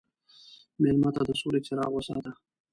مېلمه ته د سولې څراغ وساته.